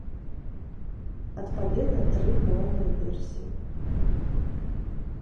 Адпаведна тры моўныя версіі.